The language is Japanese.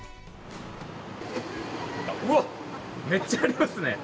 うわっ、めっちゃありますね。